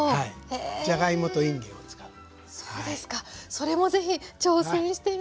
それも是非挑戦してみたいです。